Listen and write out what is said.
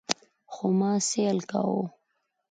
خو ما سيل کاوه.